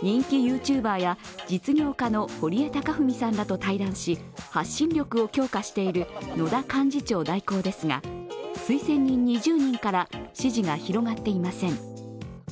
人気ＹｏｕＴｕｂｅｒや実業家の堀江貴文さんらと対談し、発信力を強化している野田幹事長代行ですが推薦人２０人から支持が広がっていません。